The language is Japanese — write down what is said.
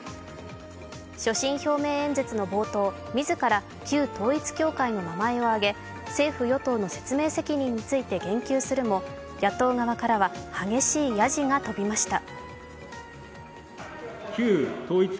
所信表明演説の冒頭、自ら旧統一教会の名前を挙げ政府与党の説明責任について言及するも野党側からは激しいやじが飛びました。